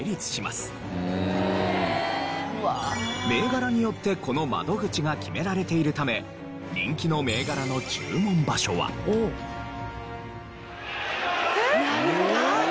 銘柄によってこの窓口が決められているため人気の銘柄の注文場所は。えっ！？